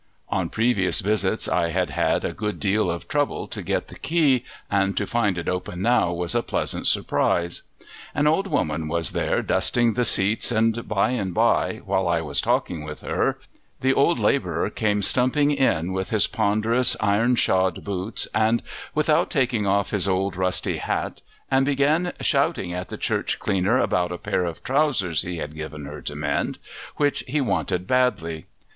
On previous visits I had had a good deal of trouble to get the key, and to find it open now was a pleasant surprise. An old woman was there dusting the seats, and by and by, while I was talking with her, the old labourer came stumping in with his ponderous, iron shod boots and without taking off his old, rusty hat, and began shouting at the church cleaner about a pair of trousers he had given her to mend, which he wanted badly.